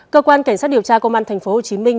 cơ quan cảnh sát điều tra công an thành phố hồ chí minh